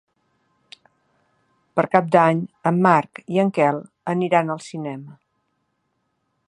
Per Cap d'Any en Marc i en Quel aniran al cinema.